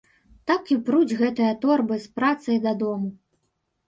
Так і пруць гэтыя торбы з працай дадому.